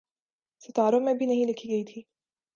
ستاروں میں بھی نہیں لکھی گئی تھی۔